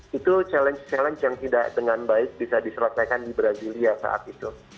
jadi itu adalah challenge challenge yang tidak dengan baik bisa diselesaikan di brasilia saat itu